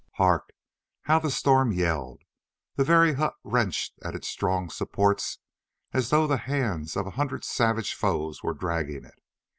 Hark! how the storm yelled!—the very hut wrenched at its strong supports as though the hands of a hundred savage foes were dragging it.